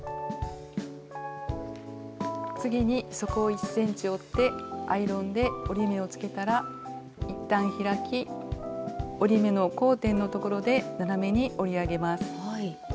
次に底を１ｃｍ折ってアイロンで折り目をつけたらいったん開き折り目の交点のところで斜めに折り上げます。